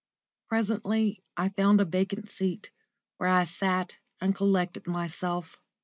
Presently I found a vacant seat, where I sat and collected myself.